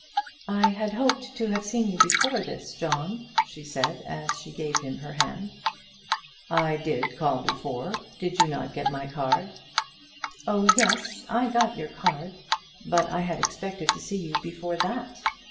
"I had hoped to have seen you before this, John," she said, as she gave him her hand. "I did call before. Did you not get my card?" "Oh, yes; I got your card. But I had expected to see you before that.